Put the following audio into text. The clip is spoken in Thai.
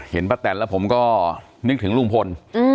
ป้าแตนแล้วผมก็นึกถึงลุงพล